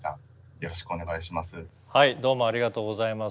よろしくお願いします。